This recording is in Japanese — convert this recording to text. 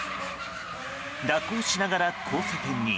蛇行しながら交差点に。